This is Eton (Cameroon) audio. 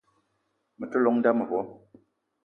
Me te llong n'da mevo.